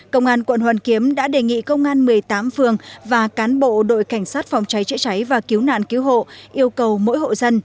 công an quận hoàn kiếm đã đề nghị công an một mươi tám phường và cán bộ đội cảnh sát phòng cháy chữa cháy và cứu nạn cứu hộ yêu cầu mỗi hộ dân